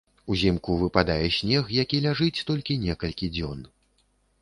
Узімку выпадае снег, які ляжыць толькі некалькі дзён.